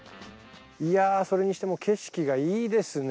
いやそれにしても景色がいいですね